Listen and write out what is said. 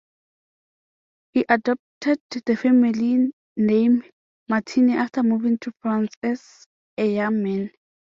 He adopted the family name Martini after moving to France as a young man.